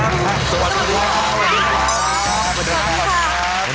สวัสดีครับสวัสดีครับ